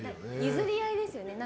譲り合いですよね。